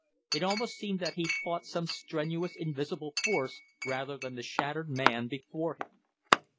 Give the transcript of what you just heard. It almost seemed that he fought some strenuous invisible force rather than the shattered man before him.